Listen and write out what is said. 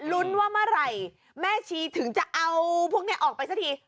รุ้นว่าเมื่อไหร่แม่ชีถึงจะเอาพวกนี้ออกไปสักที